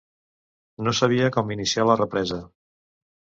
No sabia com iniciar la represa.